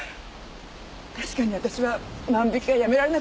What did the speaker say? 確かに私は万引がやめられなかった。